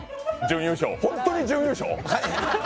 本当に準優勝？